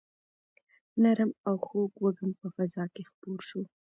نرم او خوږ وږم په فضا کې خپور شو.